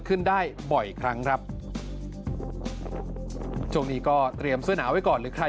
ขึ้นได้บ่อยครั้งครับช่วงนี้ก็เตรียมเสื้อหนาวไว้ก่อนหรือใคร